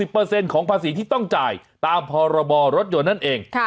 ๙๐เปอร์เซ็นต์ของภาษีที่ต้องจ่ายตามภาระบอร์รถยนต์นั่นเอง